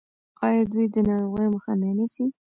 آیا دوی د ناروغیو مخه نه نیسي؟